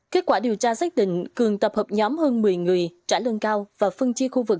kết quả điều tra xác định cường tập hợp nhóm hơn một mươi người trả lương cao và phân chia khu vực